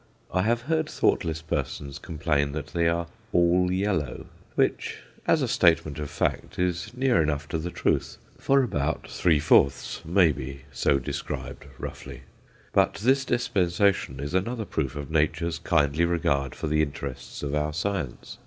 I have heard thoughtless persons complain that they are "all yellow;" which, as a statement of fact, is near enough to the truth, for about three fourths may be so described roughly. But this dispensation is another proof of Nature's kindly regard for the interests of our science.